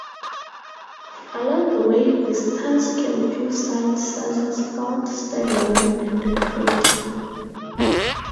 Along the way, visitors can view sites such as Fort Stedman and The Crater.